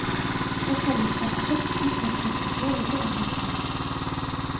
დასავლეთ სათავსო თითქმის ორჯერ დიდია, ვიდრე აღმოსავლეთის.